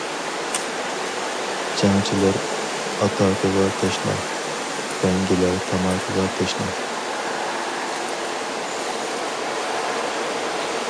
جەڭچىلەر ئاتاكىغا تەشنا، بەڭگىلەر تاماكىغا تەشنا.